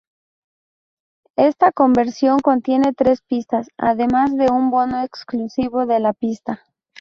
Esta conversión contiene tres pistas, además de un bono exclusivo de la pista.